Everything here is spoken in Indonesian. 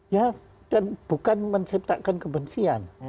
ya dan bukan menciptakan kebencian